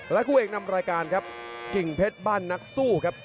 คู่เอกนำรายการครับกิ่งเพชรบ้านนักสู้ครับ